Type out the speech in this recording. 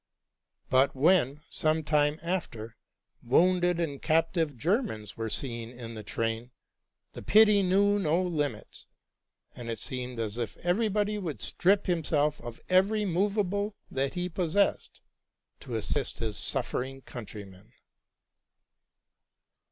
But when, some time after, wounded and captive Germans were seen in the train, the pity knew no limits ; and it seemed as if everybody would strip himself 82 TRUTH AND FICTION of every movable that he possessed to assist his suffering countrymen.